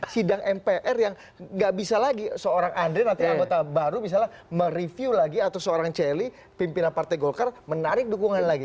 sidang mpr yang gak bisa lagi seorang andre nanti anggota baru misalnya mereview lagi atau seorang celi pimpinan partai golkar menarik dukungan lagi